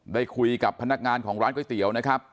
ได้คุยกับพนักงานของร้านก๋วยเตี๋ยวนะครับ